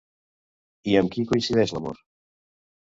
I amb qui coincideix l'Amor?